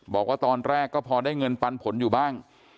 บอกว่าตอนแรกก็พอได้เงินปันผลอยู่บ้าง